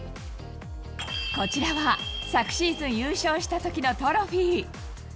こちらは、昨シーズン優勝したときのトロフィー。